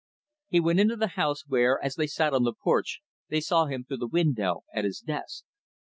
He went into the house where, as they sat on the porch, they saw him through the window, his desk.